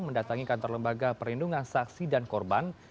mendatangi kantor lembaga perlindungan saksi dan korban